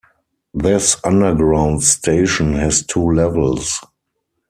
This underground station has two levels.